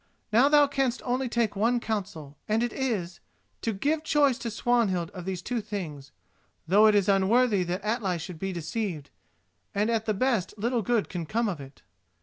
Now thou canst only take one counsel, and it is: to give choice to Swanhild of these two things, though it is unworthy that Atli should be deceived, and at the best little good can come of it."